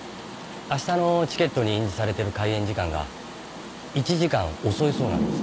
あしたのチケットに印字されてる開演時間が１時間遅いそうなんです。